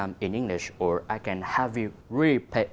trang trí quân trong